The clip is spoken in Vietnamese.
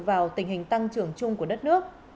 vào tình hình tăng trưởng chung của đất nước